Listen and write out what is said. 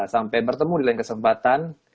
sampai bertemu di lain kesempatan